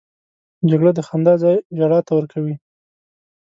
جګړه د خندا ځای ژړا ته ورکوي